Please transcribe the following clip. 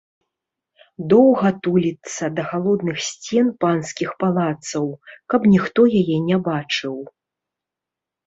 Доўга туліцца да халодных сцен панскіх палацаў, каб ніхто яе не бачыў.